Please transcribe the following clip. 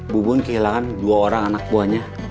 bubun kehilangan dua orang anak buahnya